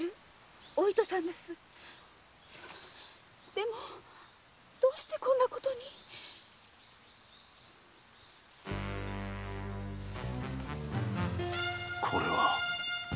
でもどうしてこんなことに⁉これは。